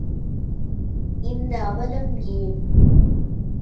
இந்த அவலம் ஏன்?